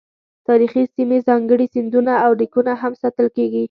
تاریخي سیمې، ځانګړي سندونه او لیکونه هم ساتل کیږي.